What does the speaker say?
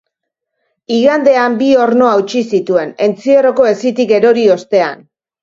Igandean bi orno hautsi zituen, entzierroko hesitik erori ostean.